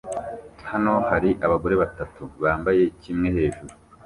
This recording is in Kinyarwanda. Hano hari abagore batatu bambaye kimwe hejuru